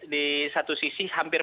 di satu sisi hampir